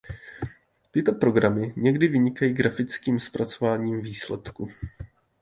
Tyto programy někdy vynikají grafickým zpracováním výsledku.